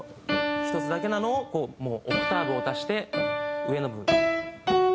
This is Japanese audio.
１つだけなのをオクターブを出して上の。